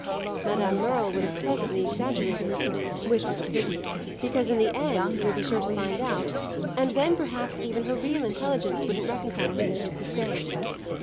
Madame Merle would have pleasantly exaggerated; which was a pity, because in the end he would be sure to find out, and then perhaps even her real intelligence wouldn't reconcile him to his mistake.